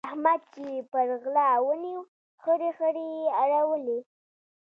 احمد چې يې پر غلا ونيو؛ خړې خړې يې اړولې.